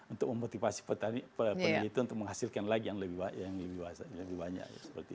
untuk memotivasi petani itu untuk menghasilkan lagi yang lebih banyak